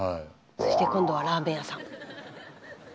そして今度はラーメン屋さん。